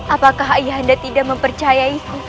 apakah ayahanda tidak mempercayaiku